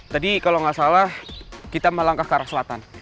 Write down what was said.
tadi kalau nggak salah kita melangkah ke arah selatan